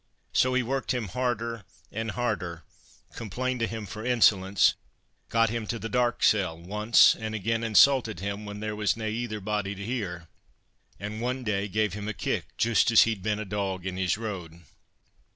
So he worked him harder and harder—complained o' him for insolence—got him to the dark cell—once and again insulted him when there was nae ither body to hear—and one day gave him a kick, joost as he'd been a dog in his road.